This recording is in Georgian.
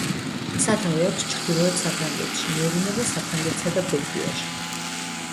სათავე აქვს ჩრდილოეთ საფრანგეთში, მიედინება საფრანგეთში და ბელგიაში.